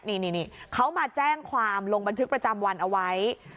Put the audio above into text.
นี่เขามาแจ้งความลงบันทึกประจำวันเอาไว้